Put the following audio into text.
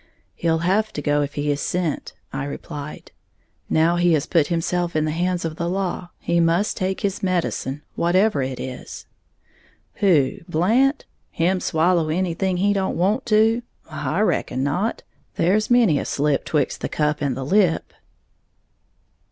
"He'll have to go if he is sent," I replied; "now he has put himself in the hands of the law, he must take his medicine, whatever it is." "Who, Blant? Him swallow anything he don't want to? I reckon not. There's many a slip 'twixt the cup and the lip."